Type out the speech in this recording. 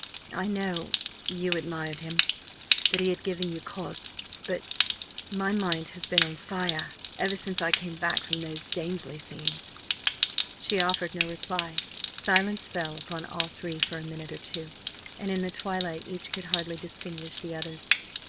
"I know you admired him that he had given you cause. But my mind has been on fire ever since I came back from those Damesley scenes!" She offered no reply. Silence fell upon all three for a minute or two; and in the twilight each could hardly distinguish the others.